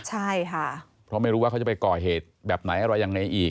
ใช่ค่ะเพราะไม่รู้ว่าเขาจะไปก่อเหตุแบบไหนอะไรยังไงอีก